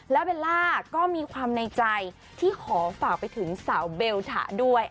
แล้วเบลล่าก็มีความในใจที่ขอฝากไปถึงสาวเบลถะด้วย